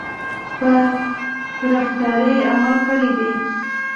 په طرفداري عمل کړی دی.